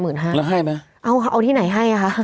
แล้วให้ไหมเอาที่ไหนให้